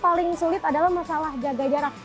paling sulit adalah masalah jaga jarak